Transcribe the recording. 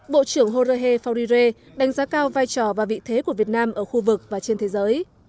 bộ trưởng jorge faurire đánh giá cao vai trò và vị thế của việt nam ở khu vực và trên thế giới